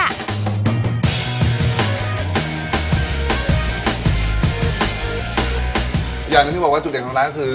อย่างหนึ่งที่บอกว่าจุดเด่นของร้านก็คือ